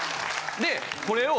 でこれを。